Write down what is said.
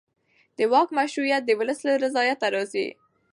د واک مشروعیت د ولس له رضایت راځي